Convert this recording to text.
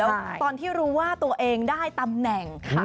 แล้วตอนที่รู้ว่าตัวเองได้ตำแหน่ง